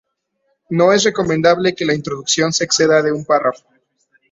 No es recomendable que la introducción se exceda de un párrafo.